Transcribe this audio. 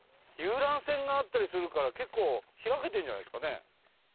遊覧船があったりするから結構開けてるんじゃないですかね？